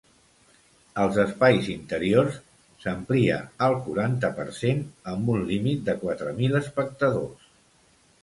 Als espais interiors, s’amplia al quaranta per cent, amb un límit de quatre mil espectadors.